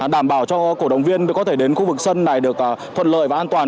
đảm bảo cho cổ động viên có thể đến khu vực sân này được thuận lợi và an toàn